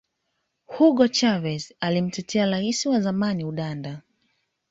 hugo chavez alimtetea rais wa zamani udanda